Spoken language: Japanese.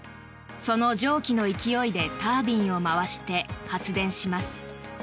その蒸気の勢いでタービンを回して発電します。